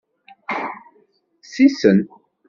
Sisen.